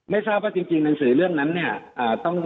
ไม่ชอบว่าจริงหนังสือเรื่องนั้น